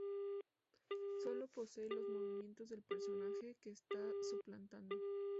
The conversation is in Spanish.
Sólo posee los movimientos del personaje que está suplantando.